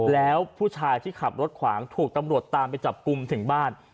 แล้วผู้ชายที่ขับรถขวางถูกตำรวจตามไปจับกลุ่มถึงบ้าน